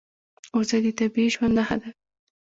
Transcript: وزې د طبیعي ژوند نښه ده